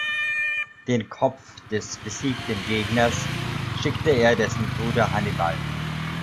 Den Kopf des besiegten Gegners schickte er dessen Bruder Hannibal.